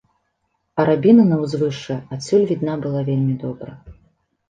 Арабіна на ўзвышшы адсюль відна была вельмі добра.